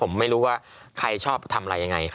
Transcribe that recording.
ผมไม่รู้ว่าใครชอบทำอะไรยังไง